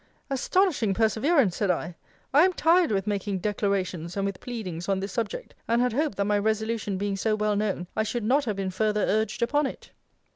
Astonishing perseverance! said I I am tired with making declarations and with pleadings on this subject; and had hoped, that my resolution being so well known, I should not have been further urged upon it.